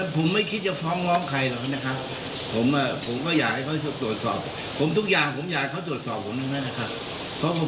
ผมไม่คิดจะฟ้องร้องใครหรอกนะครับผมผมก็อยากให้เขาตรวจสอบผมทุกอย่างผมอยากให้เขาตรวจสอบผมทั้งนั้นนะครับ